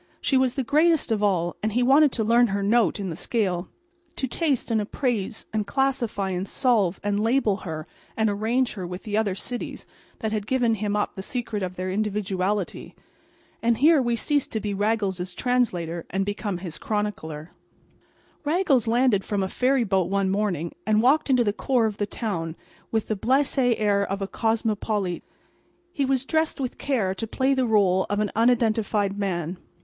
She was the greatest of all; and he wanted to learn her note in the scale; to taste and appraise and classify and solve and label her and arrange her with the other cities that had given him up the secret of their individuality. And here we cease to be Raggles's translator and become his chronicler. Raggles landed from a ferry boat one morning and walked into the core of the town with the blasé air of a cosmopolite. He was dressed with care to play the rôle of an "unidentified man."